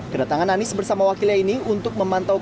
kedatangan anies bersama wakilnya ini untuk memantau